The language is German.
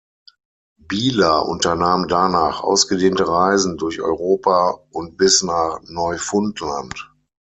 Bieler unternahm danach ausgedehnte Reisen durch Europa und bis nach Neufundland.